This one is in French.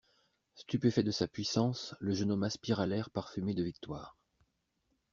Stupéfait de sa puissance, le jeune homme aspira l'air parfumé de victoire.